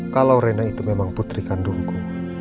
kalau rena itu memang putri kandungku